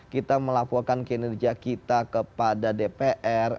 kita melaporkan kinerja kita kepada dpr